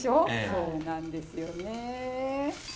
そうなんですよね。